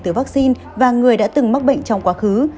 từ vaccine và người đã từng mắc bệnh trong quá khứ